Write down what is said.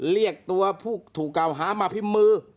เรียกตัวผู้ถูกกล่าวหามาพิมพ์มือ